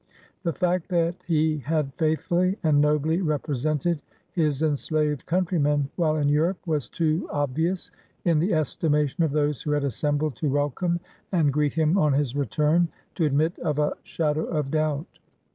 The fact that he had faithfully and nobly represented his enslaved countrymen, while in Europe, was too obvious, in the estimation of those who had assembled to welcome and greet him on his return, to admit of a shadow of doubt.